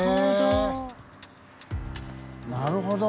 なるほど。